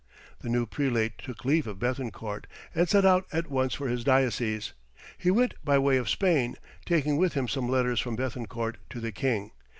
The new prelate took leave of Béthencourt, and set out at once for his diocese. He went by way of Spain, taking with him some letters from Béthencourt to the king.